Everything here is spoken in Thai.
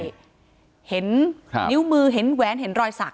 ใช่เห็นนิ้วมือเห็นแหวนเห็นรอยสัก